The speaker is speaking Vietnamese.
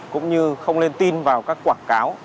cũng như không lên tin vào các quảng cáo